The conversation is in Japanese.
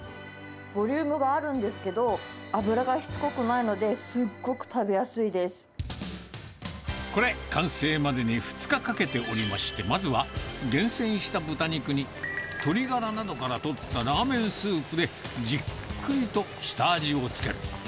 ボリュームがあるんですけど、脂がしつこくないので、これ、完成までに２日かけておりまして、まずは厳選した豚肉に、鶏ガラなどから取ったラーメンスープで、じっくりと下味をつける。